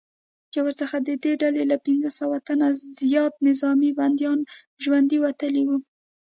چې ورڅخه ددې ډلې له پنځه سوه تنه زیات نظامي بندیان ژوندي وتلي وو